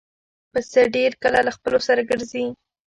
پسه ډېر کله له خپلو سره ګرځي.